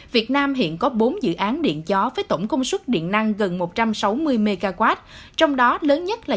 việt nam hiện có bốn dự án điện gió với tổng công suất điện năng gần một trăm sáu mươi mw trong đó lớn nhất là